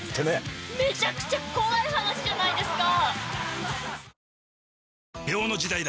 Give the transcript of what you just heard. めちゃくちゃ怖い話じゃないですか！